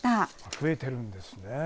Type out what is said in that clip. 増えているんですね。